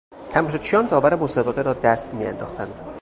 تماشاچیان داور مسابقه را دست میانداختند.